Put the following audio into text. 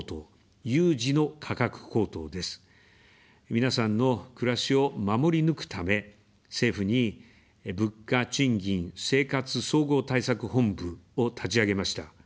皆さんの暮らしを守り抜くため、政府に「物価・賃金・生活総合対策本部」を立ち上げました。